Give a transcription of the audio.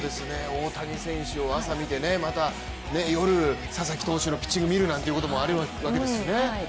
大谷選手を朝見て、夜佐々木投手のピッチングを見るなんていうこともあるわけですよね。